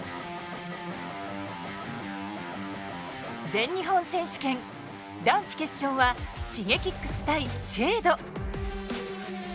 全日本選手権男子決勝はＳｈｉｇｅｋｉｘ対ＳＨＡＤＥ。